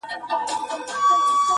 زموږ مېږیانو هم زلمي هم ماشومان مري!.